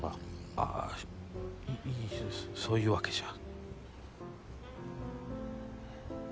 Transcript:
ああいえそういうわけじゃ。